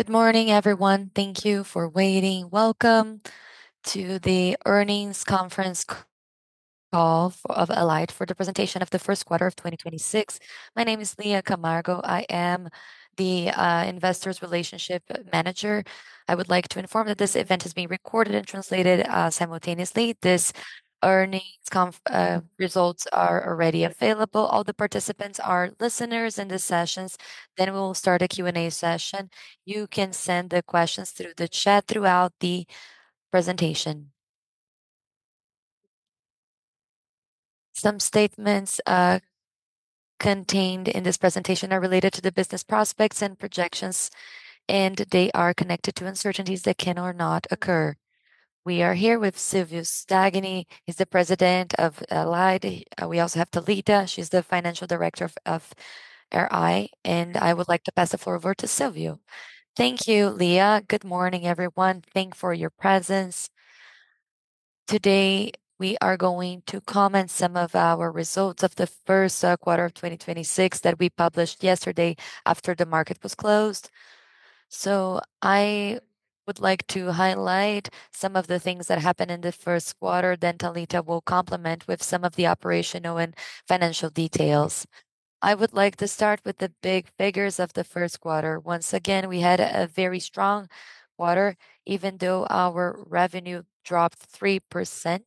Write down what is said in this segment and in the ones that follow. Good morning, everyone. Thank you for waiting. Welcome to the earnings conference call of Allied for the presentation of the first quarter of 2026. My name is Lia Camargo. I am the Investor Relations Manager. I would like to inform that this event is being recorded and translated simultaneously. These earnings results are already available. All the participants are listeners in the sessions. We'll start a Q&A session. You can send the questions through the chat throughout the presentation. Some statements contained in this presentation are related to the business prospects and projections, they are connected to uncertainties that can or not occur. We are here with Silvio Stagni. He's the President of Allied. We also have Thalita. She's the Financial Director of IR, I would like to pass the floor over to Silvio. Thank you, Lia. Good morning, everyone. Thank you for your presence. Today, we are going to comment some of our results of the first quarter of 2026 that we published yesterday after the market was closed. I would like to highlight some of the things that happened in the first quarter, then Thalita will complement with some of the operational and financial details. I would like to start with the big figures of the first quarter. Once again, we had a very strong quarter, even though our revenue dropped 3%,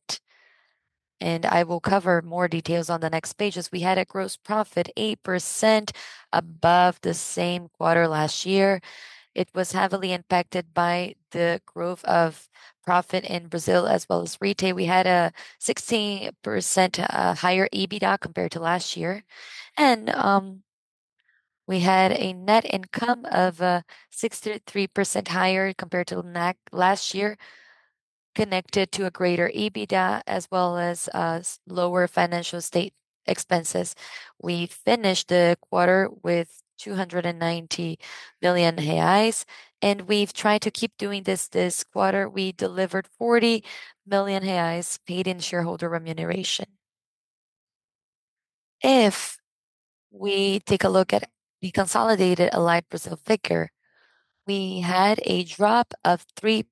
I will cover more details on the next pages. We had a gross profit 8% above the same quarter last year. It was heavily impacted by the growth of profit in Brazil as well as retail. We had a 16% higher EBITDA compared to last year. We had a net income of 63% higher compared to last year, connected to a greater EBITDA as well as lower financial state expenses. We finished the quarter with 290 billion reais, we've tried to keep doing this quarter we delivered 40 billion reais paid in shareholder remuneration. If we take a look at the consolidated Allied Brazil figure, we had a drop of 3%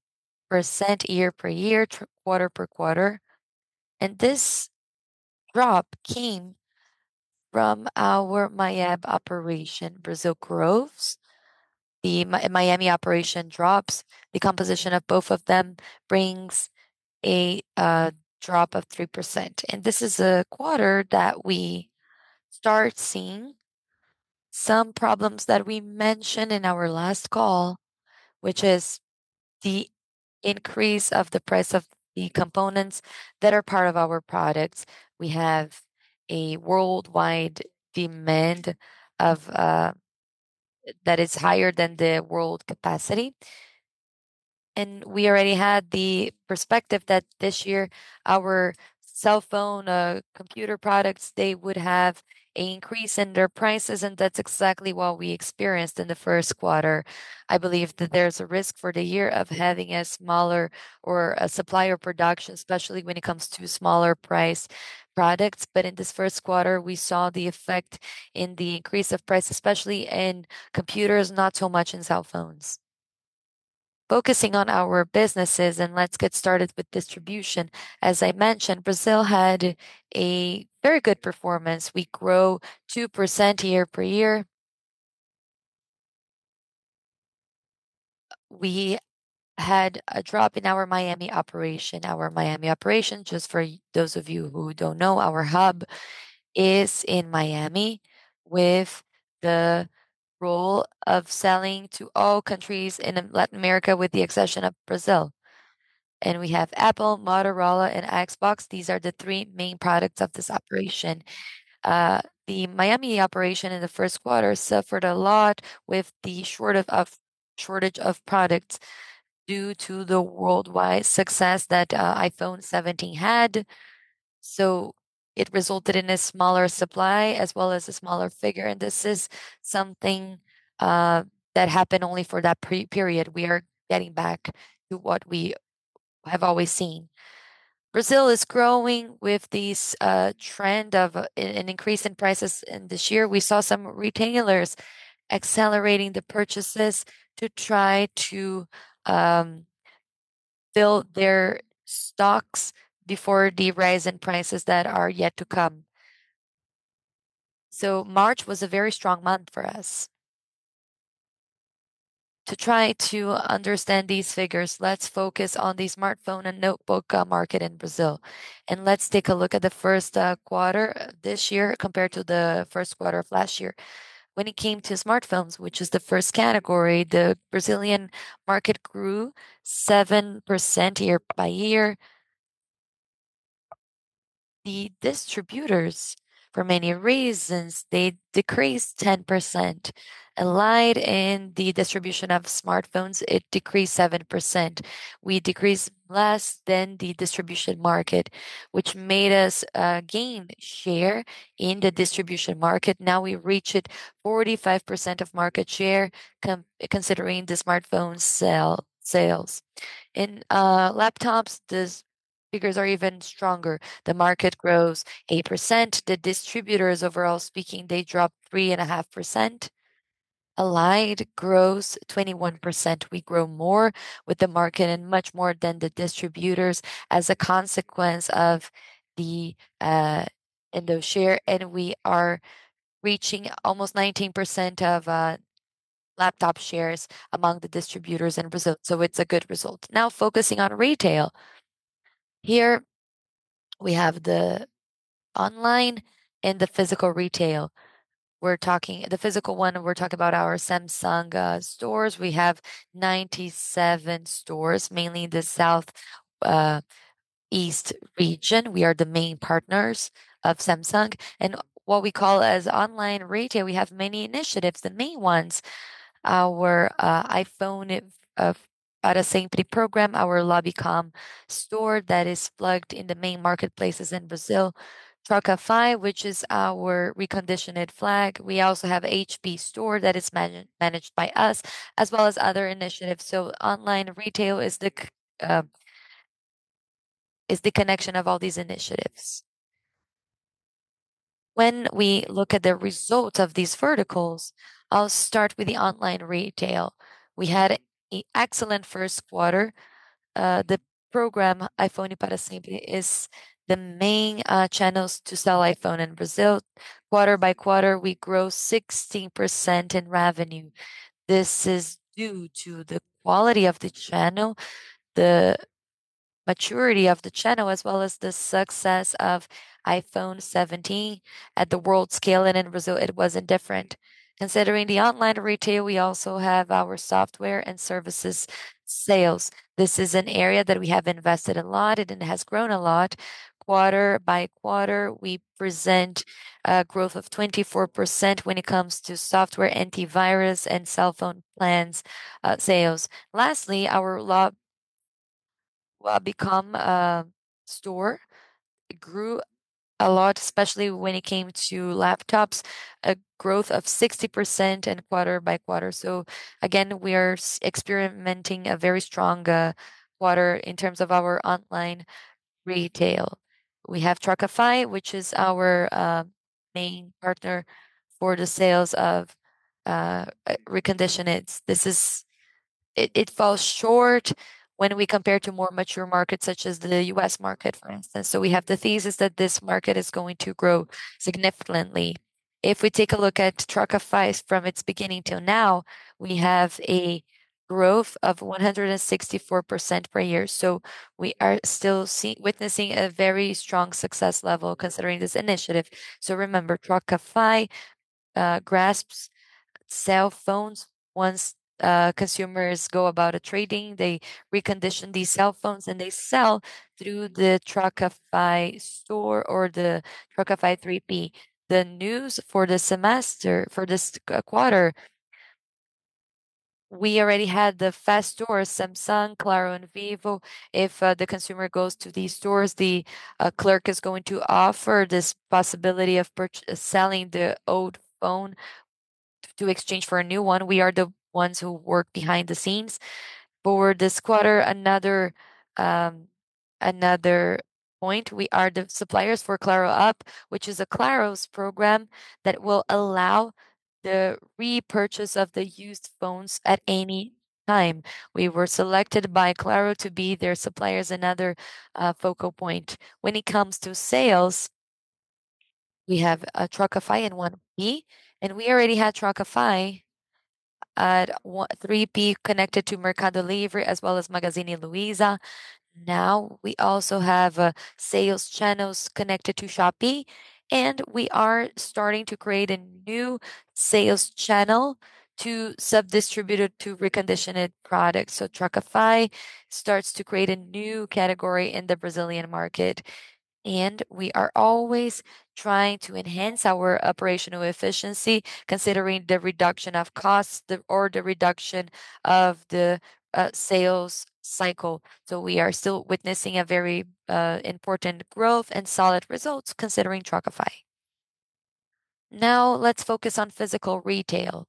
year-over-year, quarter-over-quarter. This drop came from our Miami operation. Brazil grows, the Miami operation drops. The composition of both of them brings a drop of 3%. This is a quarter that we start seeing some problems that we mentioned in our last call, which is the increase of the price of the components that are part of our products. We have a worldwide demand that is higher than the world capacity. We already had the perspective that this year, our cell phone, computer products, they would have an increase in their prices, and that's exactly what we experienced in the first quarter. I believe that there's a risk for the year of having a smaller or a supply production, especially when it comes to smaller price products. In this first quarter, we saw the effect in the increase of price, especially in computers, not so much in cell phones. Focusing on our businesses, let's get started with distribution. As I mentioned, Brazil had a very good performance. We grew 2% year-over-year. We had a drop in our Miami operation. Our Miami operation, just for those of you who don't know, our hub is in Miami with the role of selling to all countries in Latin America with the exception of Brazil. We have Apple, Motorola, and Xbox. These are the three main products of this operation. The Miami operation in the first quarter suffered a lot with the shortage of products due to the worldwide success that iPhone 17 had. It resulted in a smaller supply as well as a smaller figure, and this is something that happened only for that period. We are getting back to what we have always seen. Brazil is growing with this trend of an increase in prices, this year we saw some retailers accelerating the purchases to try to build their stocks before the rise in prices that are yet to come. March was a very strong month for us. To try to understand these figures, let's focus on the smartphone and notebook market in Brazil, let's take a look at the first quarter this year compared to the first quarter of last year. When it came to smartphones, which is the first category, the Brazilian market grew 7% year-over-year. The distributors, for many reasons, they decreased 10%. Allied in the distribution of smartphones, it decreased 7%. We decreased less than the distribution market, which made us gain share in the distribution market. We reached 45% of market share considering the smartphone sales. In laptops, the figures are even stronger. The market grows 8%. The distributors, overall speaking, they drop 3.5%. Allied grows 21%. We grow more with the market and much more than the distributors as a consequence of the endo share, we are reaching almost 19% of laptop shares among the distributors in Brazil. It's a good result. Focusing on retail. Here, we have the online and the physical retail. The physical one, we're talking about our Samsung stores. We have 97 stores, mainly in the Southeast region. We are the main partners of Samsung. What we call as online retail, we have many initiatives. The main ones, our iPhone pra Sempre program, our Labcom store that is plugged in the main marketplaces in Brazil, Trocafy, which is our reconditioned flag. We also have HP store that is managed by us, as well as other initiatives. Online retail is the connection of all these initiatives. When we look at the results of these verticals, I'll start with the online retail. We had an excellent first quarter. The program, iPhone pra Sempre, is the main channels to sell iPhone in Brazil. Quarter-over-quarter, we grow 16% in revenue. This is due to the quality of the channel, the maturity of the channel, as well as the success of iPhone 17 at the world scale, in Brazil, it wasn't different. Considering the online retail, we also have our software and services sales. This is an area that we have invested a lot in, it has grown a lot. Quarter-over-quarter, we present a growth of 24% when it comes to software, antivirus, and cell phone plans sales. Lastly, our Labcom store grew a lot, especially when it came to laptops, a growth of 60% quarter-over-quarter. Again, we are experiencing a very strong quarter in terms of our online retail. We have Trocafy, which is our main partner for the sales of reconditioned. It falls short when we compare to more mature markets such as the U.S. market, for instance. We have the thesis that this market is going to grow significantly. If we take a look at Trocafy from its beginning till now, we have a growth of 164% per year. We are still witnessing a very strong success level considering this initiative. Remember, Trocafy grasps cell phones. Once consumers go about a trading, they recondition these cell phones, and they sell through the Trocafy store or the Trocafy 3P. The news for this quarter, we already had the Fast Shop stores, Samsung, Claro, and Vivo. If the consumer goes to these stores, the clerk is going to offer this possibility of selling the old phone to exchange for a new one. We are the ones who work behind the scenes. For this quarter, another point, we are the suppliers for Claro up, which is a Claro's program that will allow the repurchase of the used phones at any time. We were selected by Claro to be their suppliers. Another focal point. When it comes to sales, we have Trocafy and 1P, and we already had Trocafy at 3P connected to Mercado Livre as well as Magazine Luiza. Now, we also have sales channels connected to Shopee, and we are starting to create a new sales channel to sub-distribute to reconditioned products. Trocafy starts to create a new category in the Brazilian market, and we are always trying to enhance our operational efficiency, considering the reduction of costs or the reduction of the sales cycle. We are still witnessing a very important growth and solid results considering Trocafy. Let's focus on physical retail.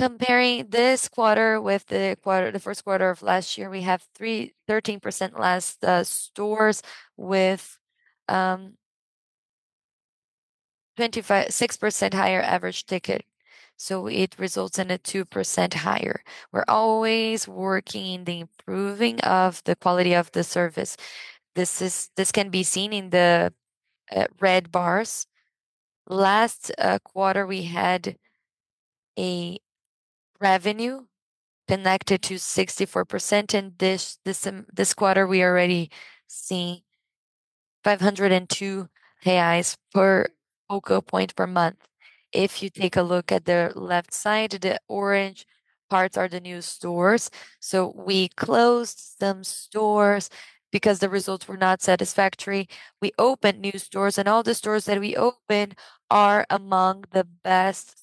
Comparing this quarter with the first quarter of last year, we have 13% less stores with 26% higher average ticket. It results in a 2% higher. We are always working the improving of the quality of the service. This can be seen in the red bars. Last quarter, we had a revenue connected to 64%, and this quarter, we already see 502 reais per focal point per month. If you take a look at the left side, the orange parts are the new stores. We closed some stores because the results were not satisfactory. We opened new stores, and all the stores that we opened are among the best stores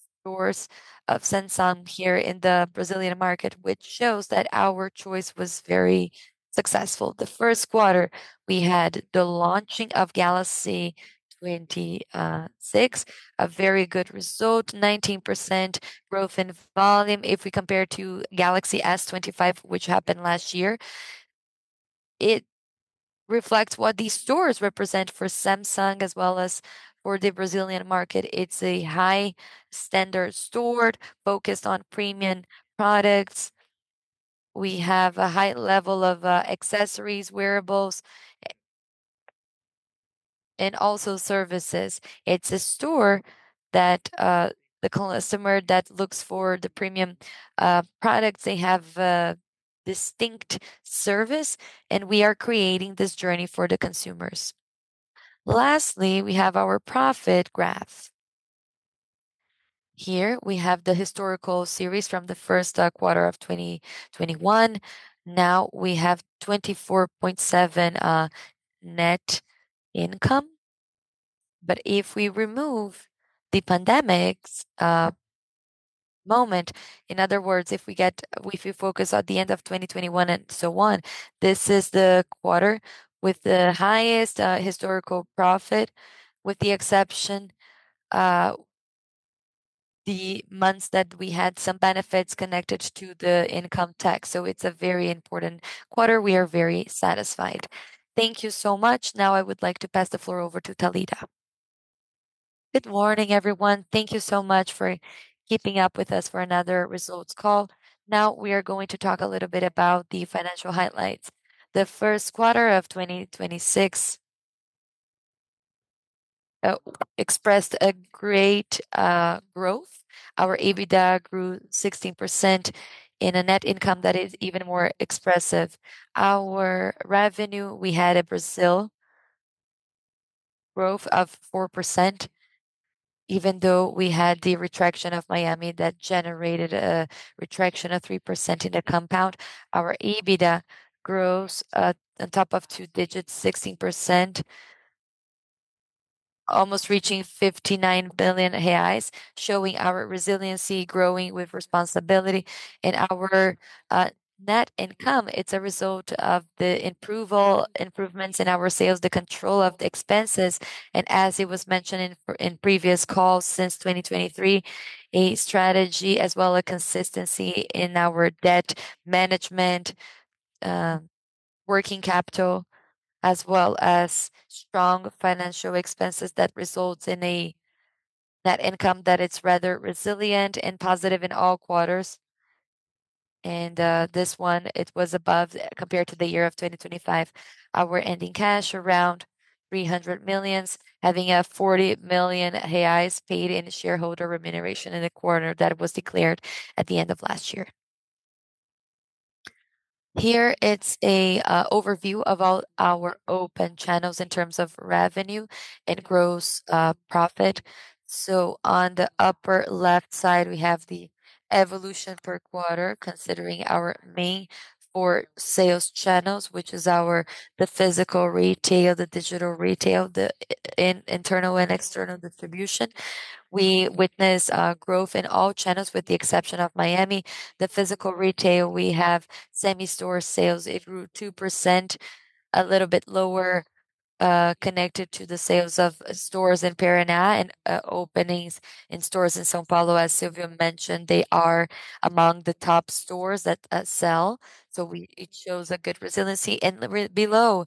of Samsung here in the Brazilian market, which shows that our choice was very successful. The first quarter, we had the launching of Galaxy S26, a very good result, 19% growth in volume if we compare to Galaxy S25, which happened last year. It reflects what these stores represent for Samsung as well as for the Brazilian market. It's a high standard store focused on premium products. We have a high level of accessories, wearables, and also services. It's a store that the consumer that looks for the premium products, they have a distinct service, and we are creating this journey for the consumers. Lastly, we have our profit graph. Here, we have the historical series from the first quarter of 2021. We have 24.7 net income. If we remove the pandemic moment, in other words, if we focus at the end of 2021 and so on, this is the quarter with the highest historical profit, with the exception the months that we had some benefits connected to the income tax. It's a very important quarter. We are very satisfied. Thank you so much. I would like to pass the floor over to Thalita. Good morning, everyone. Thank you so much for keeping up with us for another results call. We are going to talk a little bit about the financial highlights. The first quarter of 2026 expressed a great growth. Our EBITDA grew 16% in a net income that is even more expressive. Our revenue, we had a Brazil growth of 4%, even though we had the retraction of Miami that generated a retraction of 3% in the compound. Our EBITDA grows on top of two digits, 16%, almost reaching 59 billion reais, showing our resiliency, growing with responsibility. Our net income, it's a result of the improvements in our sales, the control of the expenses, and as it was mentioned in previous calls since 2023, a strategy as well a consistency in our debt management, working capital, as well as strong financial expenses that results in a net income that it's rather resilient and positive in all quarters. This one, it was above compared to the year of 2025. Our ending cash, around 300 million, having a 40 million reais paid in shareholder remuneration in the quarter that was declared at the end of last year. Here it's an overview of all our open channels in terms of revenue and gross profit. On the upper left side, we have the evolution per quarter, considering our main four sales channels, which is the physical retail, the digital retail, the internal and external distribution. We witness growth in all channels with the exception of Miami. The physical retail, we have semi-store sales. It grew 2%, a little bit lower, connected to the sales of stores in Paraná and openings in stores in São Paulo. As Silvio mentioned, they are among the top stores that sell. It shows a good resiliency. Below,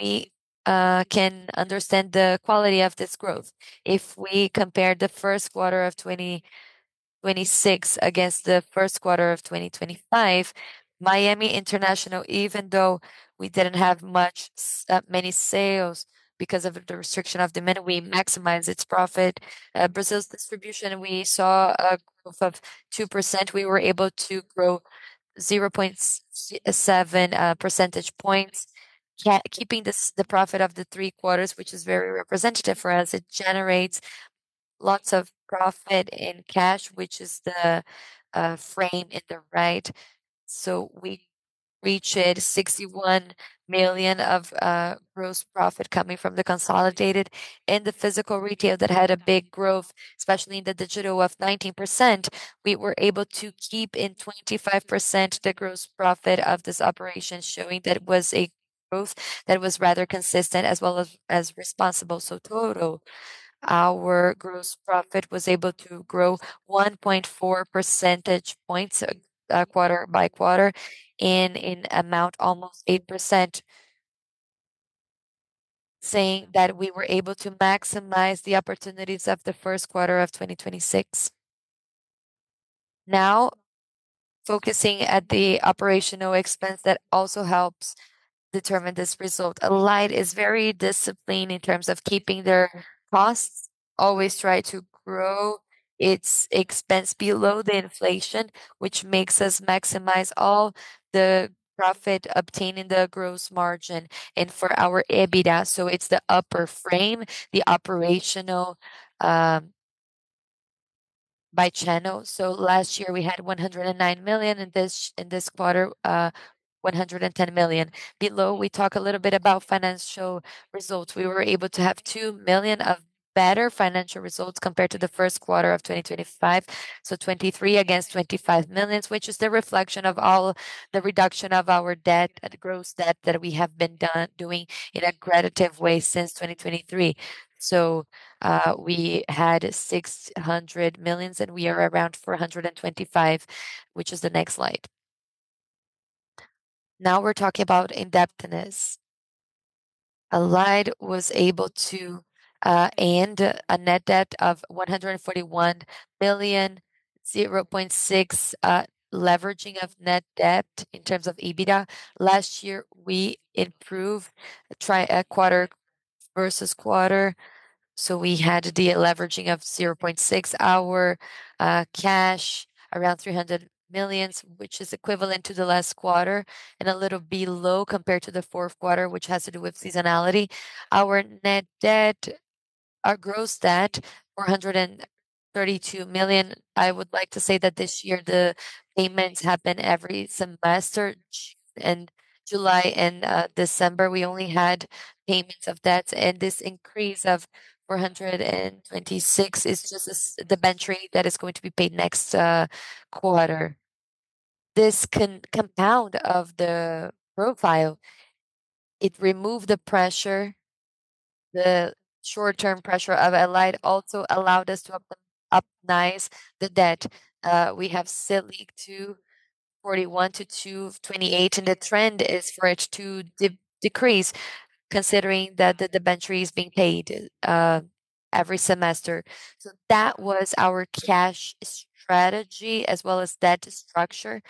we can understand the quality of this growth. If we compare the first quarter of 2026 against the first quarter of 2025, Miami International, even though we didn't have many sales because of the restriction of demand, we maximize its profit. Brazil's distribution, we saw a growth of 2%. We were able to grow 0.7 percentage points, keeping the profit of the three quarters, which is very representative for us. It generates lots of profit in cash, which is the frame in the right. We reached 61 million of gross profit coming from the consolidated and the physical retail that had a big growth, especially in the digital of 19%. We were able to keep in 25% the gross profit of this operation, showing that it was a growth that was rather consistent as well as responsible. Total, our gross profit was able to grow 1.4 percentage points quarter by quarter and in amount almost 8%, saying that we were able to maximize the opportunities of the first quarter of 2026. Focusing at the operational expense that also helps determine this result. Allied is very disciplined in terms of keeping their costs, always try to grow its expense below the inflation, which makes us maximize all the profit obtained in the gross margin and for our EBITDA. It's the upper frame, the operational by channel. Last year, we had 109 million. In this quarter, 110 million. Below, we talk a little bit about financial results. We were able to have 2 million of better financial results compared to the first quarter of 2025. 23 million against 25 million, which is the reflection of all the reduction of our debt, the gross debt that we have been doing in a consistent way since 2023. We had 600 million, and we are around 425 million, which is the next slide. Now we're talking about indebtedness. Allied was able to end a net debt of 141 million, 0.6x leveraging of net debt in terms of EBITDA. Last year, we improved quarter-over-quarter, so we had the leveraging of 0.6x. Our cash, around 300 million, which is equivalent to the last quarter and a little below compared to the fourth quarter, which has to do with seasonality. Our gross debt, 432 million. I would like to say that this year the payments have been every semester, June and July and December. We only had payments of debt, and this increase of 426 million is just a debenture that is going to be paid next quarter. This composition of the profile, it removed the pressure. The short-term pressure of Allied also allowed us to optimize the debt. We have Selic to 41 to 228, and the trend is for it to decrease, considering that the debenture is being paid every semester. That was our cash strategy as well as debt structure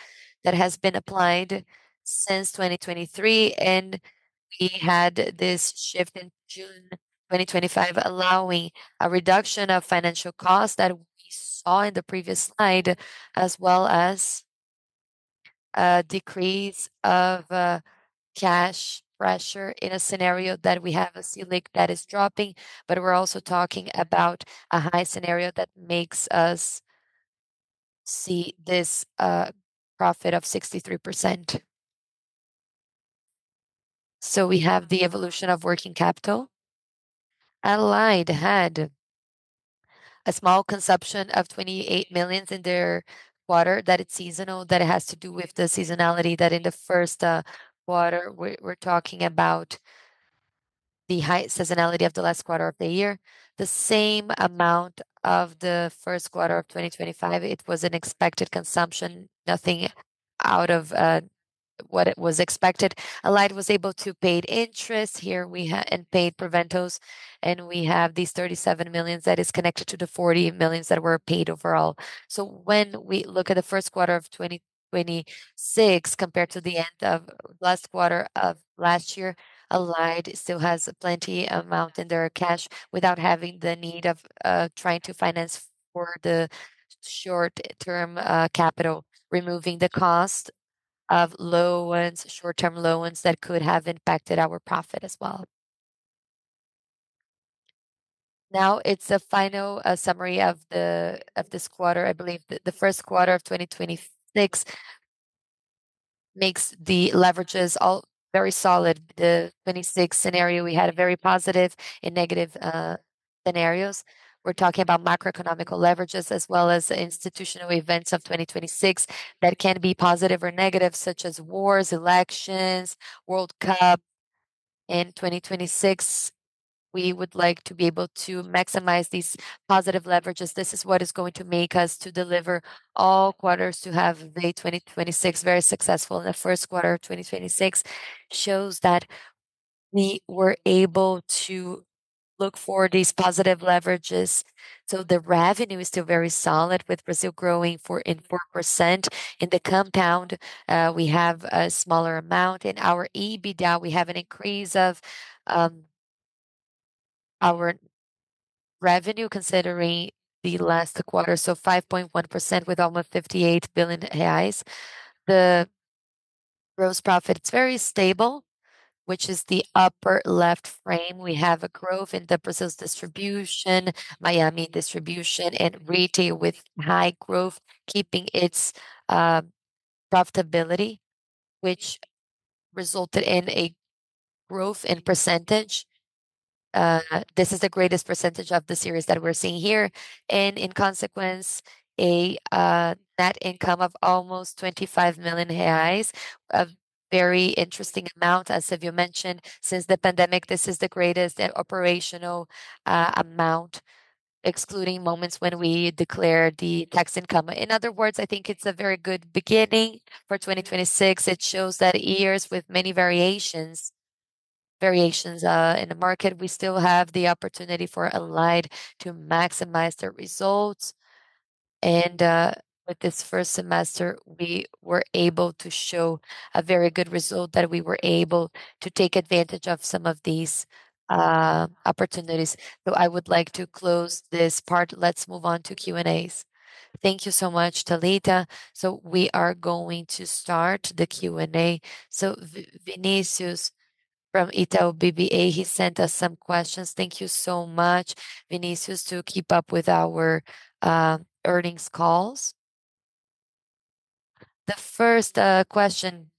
that has been applied since 2023. We had this shift in June 2025, allowing a reduction of financial costs that we saw in the previous slide, as well as a decrease of cash pressure in a scenario that we have a Selic that is dropping. We're also talking about a high scenario that makes us see this profit of 63%. We have the evolution of working capital. Allied had a small consumption of 28 million in their quarter, that it's seasonal, that it has to do with the seasonality that in the first quarter, we're talking about the high seasonality of the last quarter of the year. The same amount of the first quarter of 2025, it was an expected consumption, nothing out of what it was expected. Allied was able to pay interest and paid prepayments, and we have these 37 million that is connected to the 40 million that were paid overall. When we look at the first quarter of 2026 compared to the end of last quarter of last year, Allied still has plenty amount in their cash without having the need of trying to finance for the short-term capital, removing the cost of short-term loans that could have impacted our profit as well. Now it's a final summary of this quarter. I believe the first quarter of 2026 makes the leverages all very solid. The 2026 scenario, we had a very positive and negative scenarios. We are talking about macroeconomic leverages as well as institutional events of 2026 that can be positive or negative, such as wars, elections, World Cup. In 2026, we would like to be able to maximize these positive leverages. This is what is going to make us to deliver all quarters to have the 2026 very successful. The first quarter of 2026 shows that we were able to look for these positive leverages. The revenue is still very solid, with Brazil growing 4% in the compound. We have a smaller amount. In our EBITDA, we have an increase of our revenue, considering the last quarter, 5.1% with almost 58 billion reais. The gross profit is very stable, which is the upper left frame. We have a growth in the Brazil's distribution, Miami distribution, and retail with high growth, keeping its profitability, which resulted in a growth in percentage. This is the greatest percentage of the series that we are seeing here. And in consequence, a net income of almost 25 million reais. A very interesting amount. As Silvio mentioned, since the pandemic, this is the greatest operational amount, excluding moments when we declare the tax income. In other words, I think it is a very good beginning for 2026. It shows that years with many variations in the market, we still have the opportunity for Allied to maximize their results. And with this first semester, we were able to show a very good result that we were able to take advantage of some of these opportunities. I would like to close this part. Let us move on to Q&As. Thank you so much, Thalita. We are going to start the Q&A. Vinicius from Itaú BBA, he sent us some questions. Thank you so much, Vinicius, to keep up with our earnings calls. The first question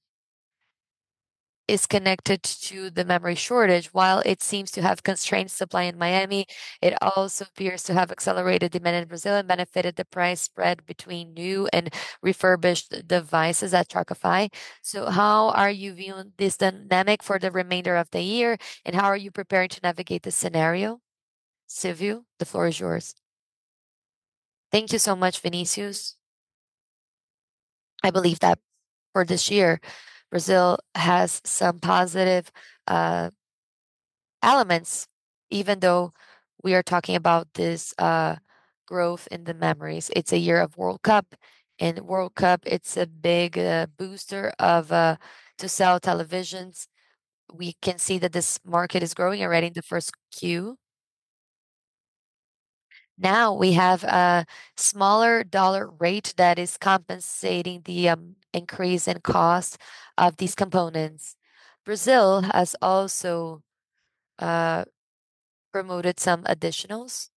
is connected to the memory shortage. While it seems to have constrained supply in Miami, it also appears to have accelerated demand in Brazil and benefited the price spread between new and refurbished devices at Trocafy. How are you viewing this dynamic for the remainder of the year, and how are you preparing to navigate this scenario? Silvio, the floor is yours. Thank you so much, Vinicius. I believe that for this year, Brazil has some positive elements even though we are talking about this growth in the memories. It is a year of World Cup, and World Cup, it is a big booster to sell televisions. We can see that this market is growing already in the first Q. We have a smaller dollar rate that is compensating the increase in cost of these components. Brazil has also promoted some additionals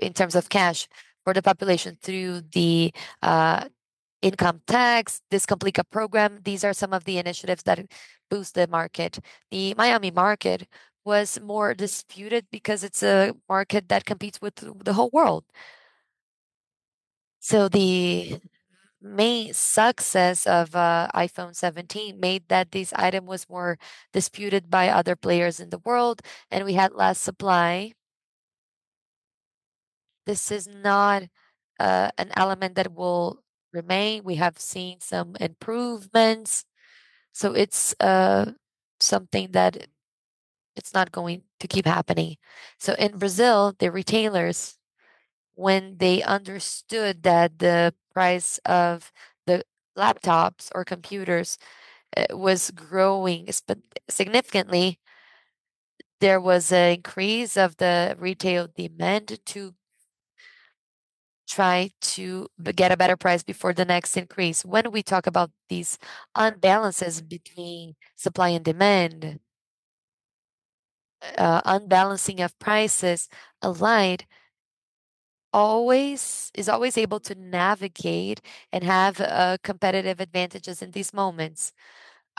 in terms of cash for the population through the income tax, Descomplica program. These are some of the initiatives that boost the market. The Miami market was more disputed because it is a market that competes with the whole world. The main success of iPhone 17 made that this item was more disputed by other players in the world, and we had less supply. This is not an element that will remain. We have seen some improvements, so it is something that it is not going to keep happening. In Brazil, the retailers, when they understood that the price of the laptops or computers was growing significantly, there was an increase of the retail demand to try to get a better price before the next increase. When we talk about these unbalance between supply and demand, unbalance of prices, Allied is always able to navigate and have competitive advantages in these moments.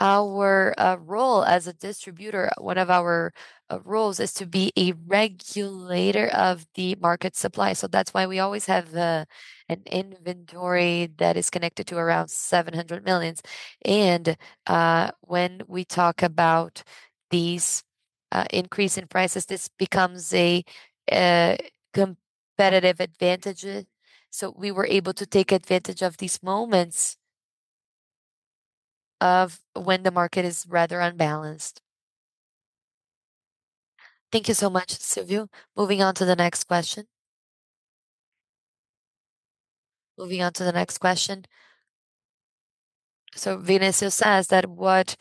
Our role as a distributor, one of our roles is to be a regulator of the market supply. That's why we always have an inventory that is connected to around 700 million. When we talk about these increase in prices, this becomes a competitive advantage. We were able to take advantage of these moments of when the market is rather unbalanced. Thank you so much, Silvio. Moving on to the next question. Vinicius says that what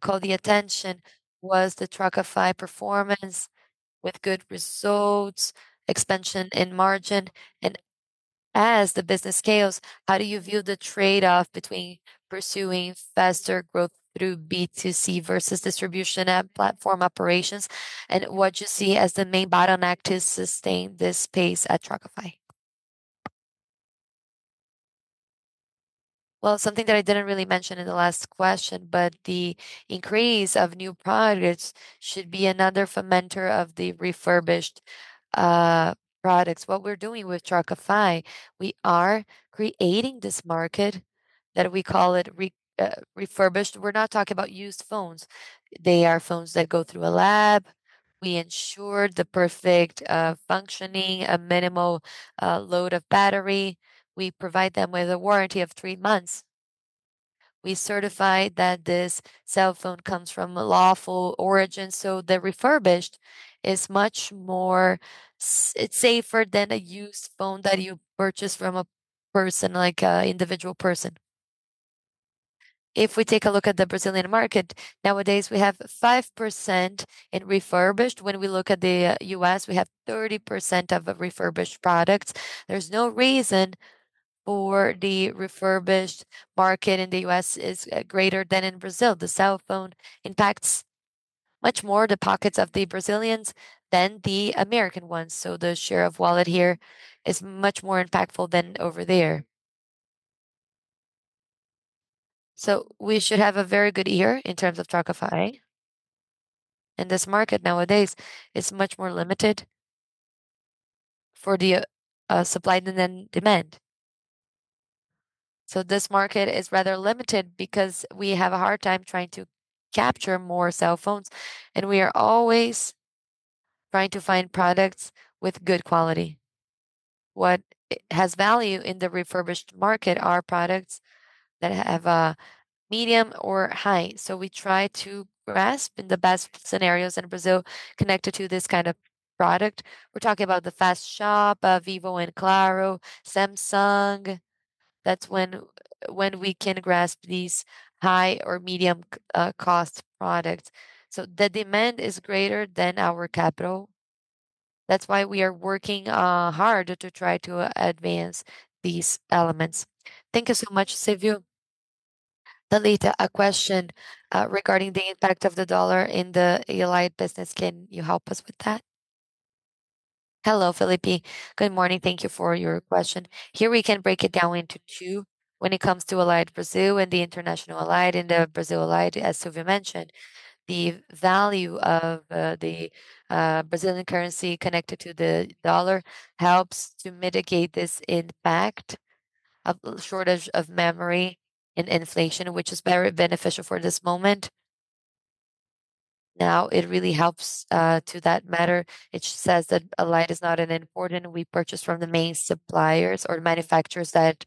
called attention was the Trocafy performance with good results, expansion in margin. As the business scales, how do you view the trade-off between pursuing faster growth through B2C versus distribution and platform operations? What you see as the main bottleneck to sustain this pace at Trocafy? Well, something that I didn't really mention in the last question, the increase of new products should be another fermenter of the refurbished products. What we're doing with Trocafy, we are creating this market that we call refurbished. We're not talking about used phones. They are phones that go through a lab. We ensure the perfect functioning, a minimal load of battery. We provide them with a warranty of 3 months. We certify that this cell phone comes from a lawful origin, so the refurbished is much safer than a used phone that you purchase from a person, like an individual person. If we take a look at the Brazilian market, nowadays, we have 5% in refurbished. When we look at the U.S., we have 30% of refurbished products. There's no reason for the refurbished market in the U.S. to be greater than in Brazil. The cell phone impacts much more the pockets of the Brazilians than the American ones. The share of wallet here is much more impactful than over there. We should have a very good year in terms of Trocafy. This market nowadays is much more limited for the supply than demand. This market is rather limited because we have a hard time trying to capture more cell phones, and we are always trying to find products with good quality. What has value in the refurbished market are products that have a medium or high. We try to grasp in the best scenarios in Brazil connected to this kind of product. We're talking about Fast Shop, Vivo, Claro, Samsung. That's when we can grasp these high or medium cost products. The demand is greater than our capital. That's why we are working hard to try to advance these elements. Thank you so much, Silvio. Thalita, a question regarding the impact of the dollar in the Allied business. Can you help us with that? Hello, Felipe. Good morning. Thank you for your question. Here we can break it down into two when it comes to Allied Brazil and international Allied. In the Brazil Allied, as Silvio mentioned, the value of the Brazilian currency connected to the dollar helps to mitigate this impact of shortage of memory and inflation, which is very beneficial for this moment. Now, it really helps to that matter. It says that Allied is not We purchase from the main suppliers or manufacturers that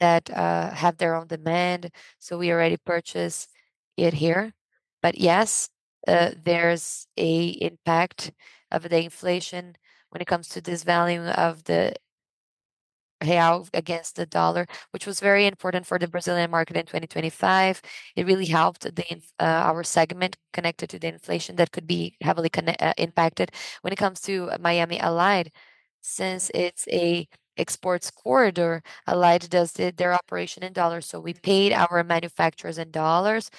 have their own demand. We already purchase it here. Yes, there's an impact of the inflation when it comes to this value of the BRL against the USD, which was very important for the Brazilian market in 2025. It really helped our segment connected to the inflation that could be heavily impacted. When it comes to Allied Miami, since it's an exports corridor, Allied does their operation in USD. We paid our manufacturers in USD,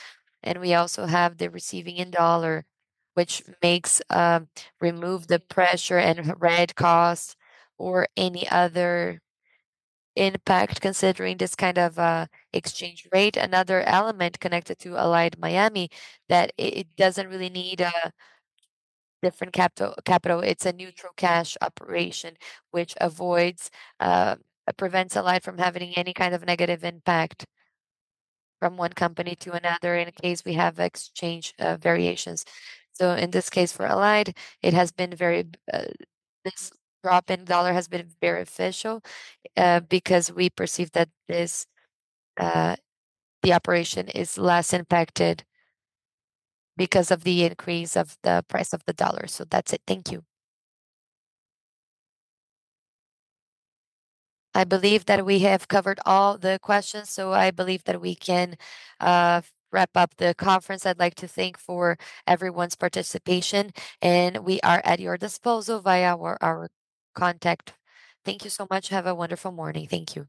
and we also have the receiving in USD, which makes remove the pressure and rate costs or any other impact considering this kind of exchange rate. Another element connected to Allied Miami, that it doesn't really need a different capital. It's a neutral cash operation, which prevents Allied from having any kind of negative impact from one company to another in case we have exchange variations. In this case, for Allied, this drop in USD has been very beneficial, because we perceive that the operation is less impacted because of the increase of the price of the USD. That's it. Thank you. I believe that we have covered all the questions, so I believe that we can wrap up the conference. I'd like to thank for everyone's participation, and we are at your disposal via our contact. Thank you so much. Have a wonderful morning. Thank you.